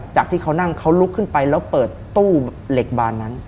จากที่เขานั่งเขาลุกขึ้นไปแล้วเปิดตู้เหล็กบานนั้น